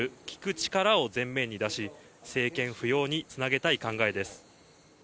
力を前面に出し、政権浮揚につなげたい考えです。